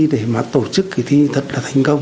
kỳ thi để mà tổ chức kỳ thi thật là thành công